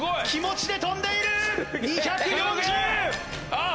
ああ